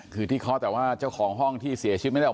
คือที่เค้าแต่ว่าเจ้าของห้องที่เสียชิดไปแล้ว